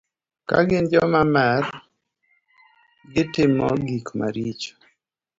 Ka gin joma mer, gitimo gik maricho.